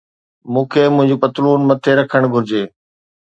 مون کي منهنجي پتلون مٿي رکڻ گهرجي